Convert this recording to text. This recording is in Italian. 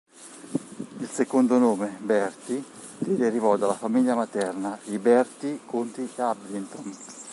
Il secondo nome, Bertie, gli derivò dalla famiglia materna, i Bertie conti di Abingdon.